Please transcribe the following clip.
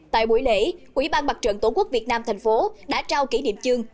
tại buổi lễ quỹ ban mặt trận tổ quốc việt nam thành phố đã trao kỷ niệm chương